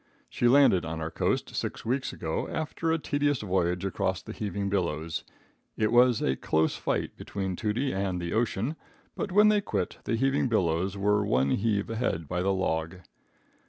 She landed on our coast six weeks ago, after a tedious voyage across the heaving billows. It was a close fight between Tootie and the ocean, but when they quit, the heaving billows were one heave ahead by the log.